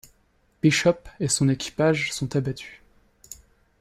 Bishop et son équipage sont abattus.